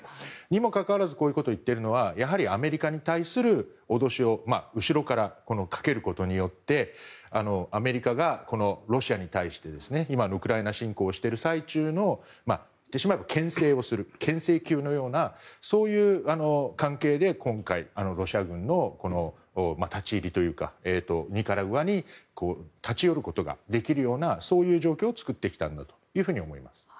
にもかかわらずこういうことを言っているのはアメリカに対する脅しを後ろからかけることによってアメリカがロシアに対して今のウクライナ侵攻をしている最中の言ってしまえば牽制をする牽制球のようなそういう関係で今回ロシア軍の立ち入りというかニカラグアに立ち寄ることができるような状況を作ってきたんだと思います。